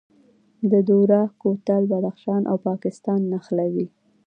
د دوراه کوتل بدخشان او پاکستان نښلوي